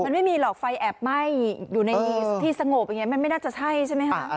มันไม่มีหรอกไฟแอบไหม้อยู่ในที่สงบอย่างนี้มันไม่น่าจะใช่ใช่ไหมคะ